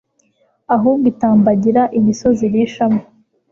ahubwo itambagira imisozi irishamo